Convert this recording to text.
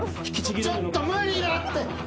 ちょっと無理だって。